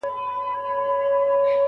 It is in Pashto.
دورکهايم وويل چي ټولنيز نظم مهم دی.